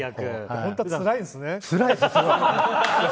本当はつらいんですね。